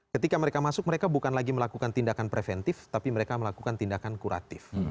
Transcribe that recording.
ketika mereka masuk mereka bukan lagi melakukan tindakan preventif tapi mereka melakukan tindakan kuratif